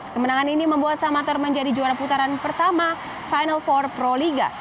kemenangan ini membuat samator menjadi juara putaran pertama final four proliga